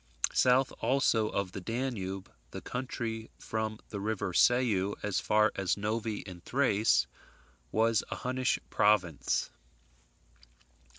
South also of the Danube, the country from the river Sau as far as Novi in Thrace was a Hunnish province.